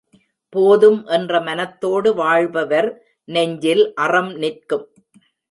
போதும் என்ற மனத்தோடு வாழ்பவர் நெஞ்சில் அறம் நிற்கும்.